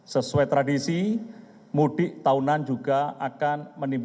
sesuai tradisi mudik tahunan juga akan menimbulkan